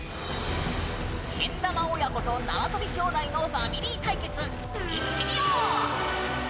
けん玉親子となわとび兄弟のファミリー対決いってみようー！